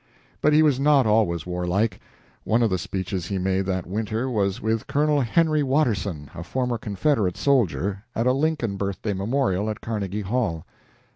But he was not always warlike. One of the speeches he made that winter was with Col. Henry Watterson, a former Confederate soldier, at a Lincoln birthday memorial at Carnegie Hall.